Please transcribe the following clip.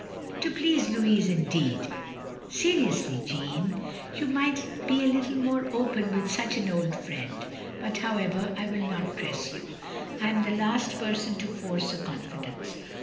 "To please Louis indeed! Seriously Jeanne, you might be a little more open with such an old friend; but however, I will not press you. I am the last person to force a confidence.